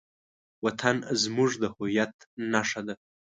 وطن زموږ د هویت نښه ده.